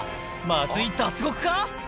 まずい、脱獄か？